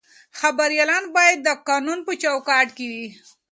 خبریالان باید د قانون په چوکاټ کې وي.